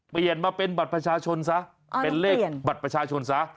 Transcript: เปลี่ยนมาเป็นบัตรประชาชนซะเป็นเลขบัตรประชาชนซะ